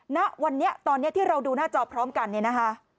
ณวันนี้ตอนนี้ที่เราดูหน้าจอพร้อมกันเนี่ยนะคะ